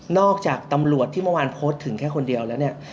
จากตำรวจที่เมื่อวานโพสต์ถึงแค่คนเดียวแล้วเนี่ย